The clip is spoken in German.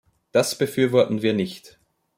Das befürworten wir nicht.